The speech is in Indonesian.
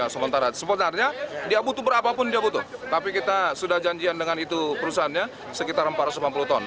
sementara sebenarnya dia butuh berapapun dia butuh tapi kita sudah janjian dengan itu perusahaannya sekitar empat ratus delapan puluh ton